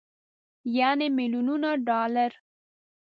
يعنې ميليونونه ډالر.